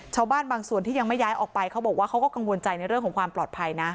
ชาวบ้านบางส่วนที่ยังไม่ย้ายออกไปเขาบอกว่าเขาก็กังวลใจในเรื่องของความปลอดภัยนะ